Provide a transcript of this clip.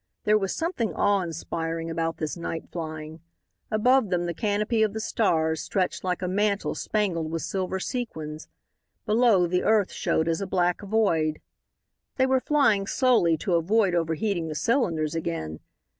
There was something awe inspiring about this night flying. Above them the canopy of the stars stretched like a mantle spangled with silver sequins. Below, the earth showed as a black void. They were flying slowly to avoid overheating the cylinders again.